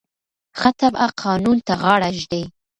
ښه تبعه قانون ته غاړه ږدي.